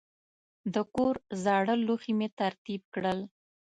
د کور زاړه لوښي مې ترتیب کړل.